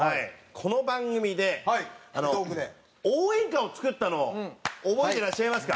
この番組で応援歌を作ったのを覚えてらっしゃいますか？